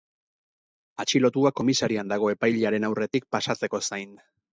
Atxilotua komisarian dago epailearen aurretik pasatzeko zain.